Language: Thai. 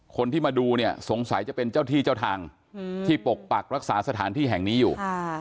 คนที่มาดูเนี่ยสงสัยจะเป็นเจ้าที่เจ้าทางที่ปกปักรักษาสถานที่แห่งนี้อยู่